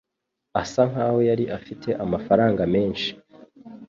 Asa nkaho yari afite amafaranga menshi.